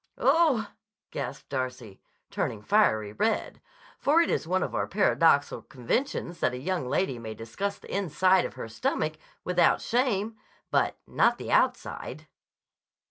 "Oh!" gasped Darcy, turning fiery red, for it is one of our paradoxical conventions that a young lady may discuss the inside of her stomach without shame, but not the outside.